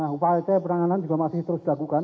kondisi peranganan juga masih terus dilakukan